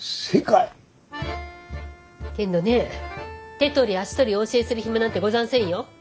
けどねえ手取り足取りお教えする暇なんてござんせんよ。